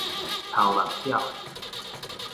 頭目鳥